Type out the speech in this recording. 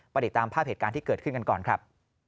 ติดตามภาพเหตุการณ์ที่เกิดขึ้นกันก่อนครับ